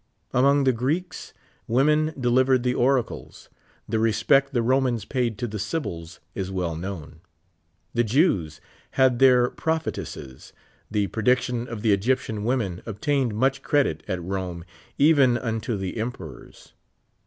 Among the Greeks, women deliv ered the oracles. Tlie respect the Romans paid to the Sybils is well known. The Jews had their prophetesses. The prediction of the Eg3 ptian women obtained much credit at Rome, even unto the emperors.